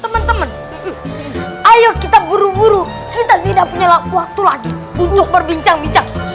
teman teman ayo kita buru buru kita tidak punya waktu lagi untuk berbincang bincang